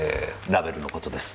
ラベルの事です。